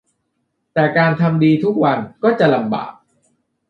แต่การทำดีทุกวันก็จะลำบาก